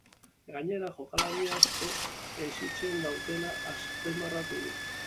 Gainera, jokalari asko hezitzen daudela azpimarratu du.